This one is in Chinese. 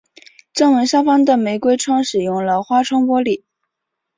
正门上方的玫瑰窗使用了花窗玻璃。